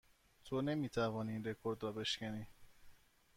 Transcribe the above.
تو نمی توانی این رکورد را بشکنی.